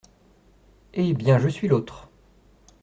Eh ! bien, je suis l’autre !…